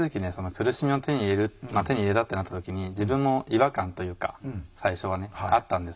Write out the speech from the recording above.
苦しみを手に入れるまあ手に入れたってなった時に自分も違和感というか最初はねあったんですけど。